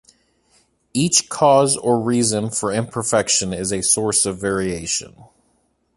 Each cause or reason for imperfection is a source of variation.